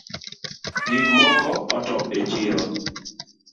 Gik mokootop e chiro